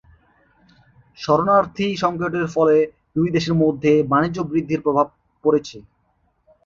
শরণার্থী সংকটের ফলে দুই দেশের মধ্যে বাণিজ্য বৃদ্ধির প্রভাব পড়েছে।